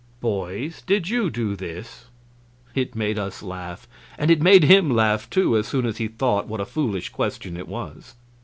"Boys, did you do this?" It made us laugh. And it made him laugh, too, as soon as he thought what a foolish question it was.